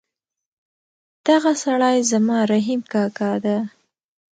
دغه سړی زما رحیم کاکا ده